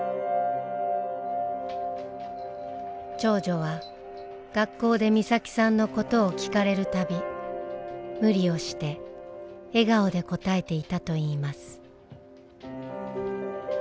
長女は学校で美咲さんのことを聞かれるたび無理をして笑顔で応えていたといいます。